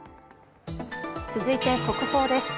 続いて速報です。